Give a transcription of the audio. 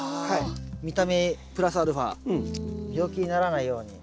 見た目プラスアルファ病気にならないように。